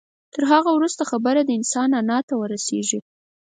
تر هغه وروسته خبره د انسان انا ته رسېږي.